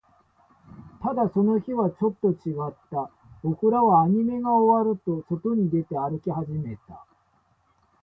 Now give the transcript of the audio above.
ただ、その日はちょっと違った。僕らはアニメが終わると、外に出て、歩き始めた。